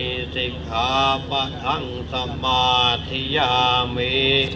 อธินาธาเวระมะนิสิขาปะทังสมาธิยามี